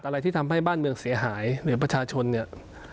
อะไรที่ทำให้บ้านเมืองเสียหายหรือประชาชนเนี่ย